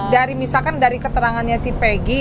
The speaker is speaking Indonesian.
dari misalkan dari keterangannya si peggy